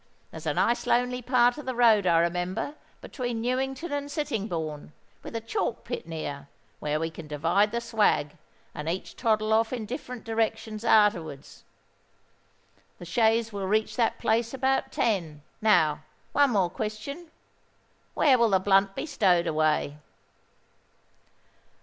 There's a nice lonely part of the road, I remember, between Newington and Sittingbourne, with a chalk pit near, where we can divide the swag, and each toddle off in different directions arterwards. The chaise will reach that place about ten. Now, one more question:—where will the blunt be stowed away?"